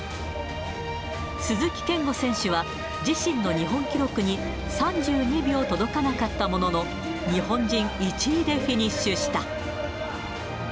鈴木健吾選手は、自身の日本記録に３２秒届かなかったものの、日本人１位でフィニッシュした。